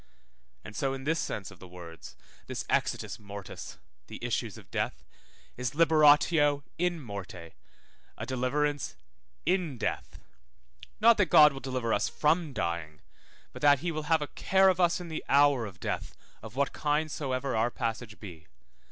And so in this sense of the words, this exitus mortis, the issues of death, is liberatio in morte, a deliverance in death; not that God will deliver us from dying, but that he will have a care of us in the hour of death, of what kind soever our passage be.